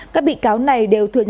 các bị cáo này đều thừa chứng